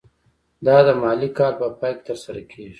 دا د مالي کال په پای کې ترسره کیږي.